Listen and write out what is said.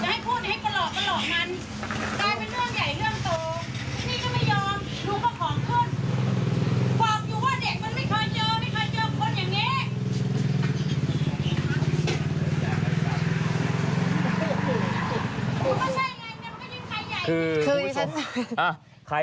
ถ้าใครชมคลิปนี้แล้วก็ไม่ต้องสงสัยว่าเด็กคนนี้มีพฤติกรรมเหมือนใคร